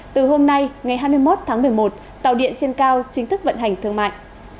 từ hôm nay ngày hai mươi một tháng một mươi một tàu điện trên cao chính thức vận hành thương mại